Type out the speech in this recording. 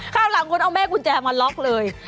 ข้างหลังคุณเอาแม่กุญแจมาล็อกเลย